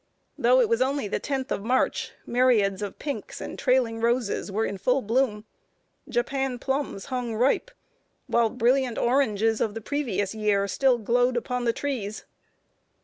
Though it was only the tenth of March, myriads of pinks and trailing roses were in full bloom; Japan plums hung ripe, while brilliant oranges of the previous year still glowed upon the trees.